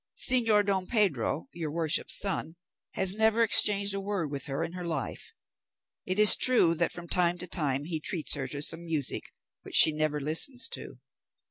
Señor Don Pedro, your worship's son, has never exchanged a word with her in her life. It is true that from time to time he treats her to some music, which she never listens to.